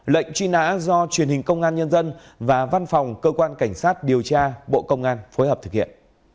lệnh truy nã do truyền hình công an nhân dân và văn phòng cơ quan cảnh sát điều tra bộ công an phối hợp thực hiện